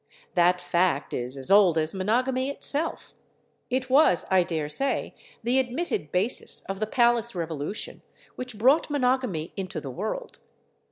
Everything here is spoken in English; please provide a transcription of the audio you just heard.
That fact is as old as monogamy itself; it was, I daresay, the admitted basis of the palace revolution which brought monogamy into the world.